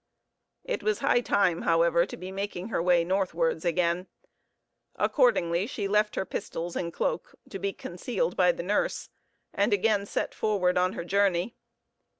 It was high time, however, to be making her way northwards again; accordingly she left her pistols and cloak to be concealed by the nurse, and again set forward on her journey.